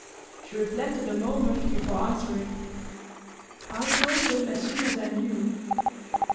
She reflected a moment before answering. "I told him as soon as I knew."